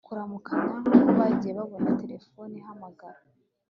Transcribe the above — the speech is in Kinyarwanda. kuramukanya ko bagiye babona Telephone ihamagara